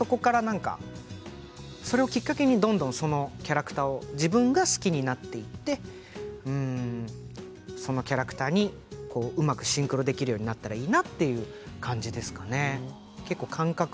それをきっかけにどんどんキャラクターを自分が好きになっていってそのキャラクターにうまくシンクロできるようになったらいいなという感じですかね。